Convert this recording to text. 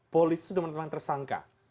polisi sudah menentang tersangka